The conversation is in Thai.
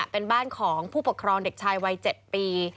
เป็นบ้านของผู้ปกครองเด็กชายวัย๗ปี